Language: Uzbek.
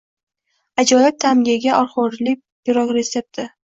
Ajoyib ta’mga ega olxo‘rili pirog retsepti